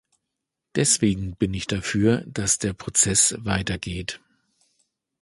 Deswegen bin ich dafür, dass der Prozess weitergeht.